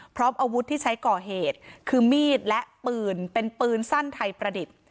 พร้อมอาวุธที่ใช้ก่อเหตุคือมีดและปืนเป็นปืนสั้นไทยประดิษฐ์